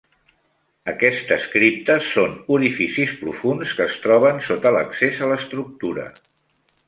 Aquestes criptes són orificis profunds que es troben sota l'accés a l'estructura.